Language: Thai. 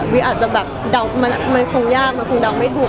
อาจจะแบบเดามันคงยากมันคงเดาไม่ถูก